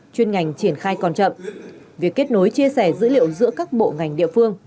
chuyên ngành triển khai còn chậm việc kết nối chia sẻ dữ liệu giữa các bộ ngành địa phương